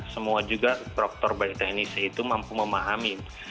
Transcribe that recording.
semua juga proktor baik teknis itu mampu memahami